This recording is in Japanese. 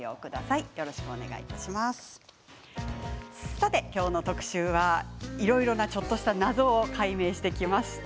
さて、今日の特集はいろいろなちょっとした謎を解明してきました。